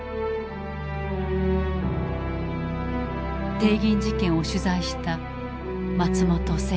帝銀事件を取材した松本清張。